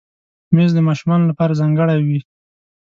مېز د ماشومانو لپاره ځانګړی وي.